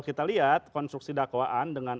kita lihat konstruksi dakwaan dengan